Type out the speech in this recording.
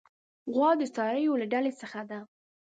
غوا د څارویو له ډلې څخه ده.